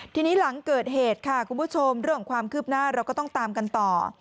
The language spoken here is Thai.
ทีนี้หลังเกิดเหตุค่ะคุณผู้ชมเรื่องของความคืบหน้าเราก็ต้องตามกันต่อ